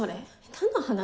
何の話？